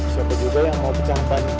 siapa juga yang mau pecahkan